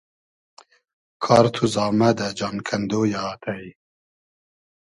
کار تو زامئدۂ ، جان کئندۉ یۂ آتݷ